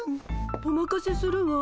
おまかせするわ。